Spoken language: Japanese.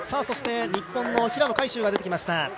そして日本の平野海祝が出てきました。